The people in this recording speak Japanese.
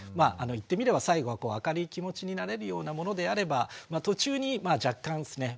言ってみれば最後は明るい気持ちになれるようなものであれば途中に若干ですね